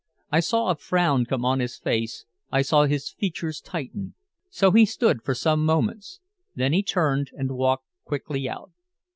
I saw a frown come on his face, I saw his features tighten. So he stood for some moments. Then he turned and walked quickly out.